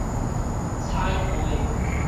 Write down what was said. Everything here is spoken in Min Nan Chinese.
彩畫